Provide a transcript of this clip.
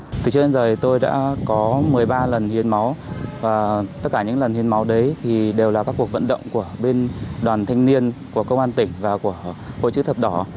từ trên đến giờ tôi đã có một mươi ba lần hiến máu và tất cả những lần hiến máu đấy thì đều là các cuộc vận động của bên đoàn thanh niên của công an tỉnh và của hội chữ thập đỏ